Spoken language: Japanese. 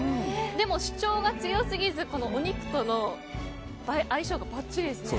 でも、主張が強すぎずお肉との相性がばっちりですね。